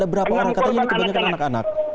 berapa orang katanya ini kebanyakan anak anak